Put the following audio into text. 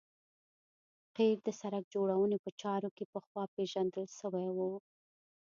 قیر د سرک جوړونې په چارو کې پخوا پیژندل شوی و